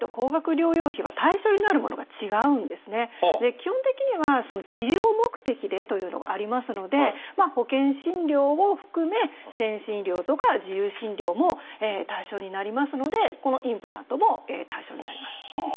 基本的には「治療目的で」というのがありますので保険診療を含め先進医療とか自由診療も対象になりますのでこのインプラントも対象になります。